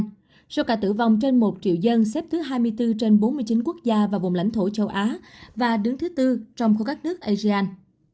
trong số ca tử vong trên một triệu dân xếp thứ hai mươi bốn trên bốn mươi chín quốc gia và vùng lãnh thổ châu á và đứng thứ tư trong khu các nước asean